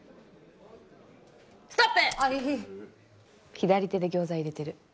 左手で餃子入れてる。